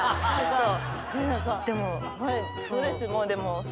そう。